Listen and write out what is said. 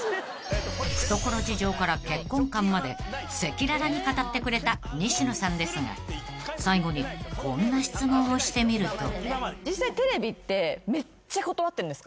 ［懐事情から結婚観まで赤裸々に語ってくれた西野さんですが最後にこんな質問をしてみると］